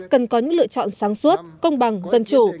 cần có những lựa chọn sáng suốt công bằng dân chủ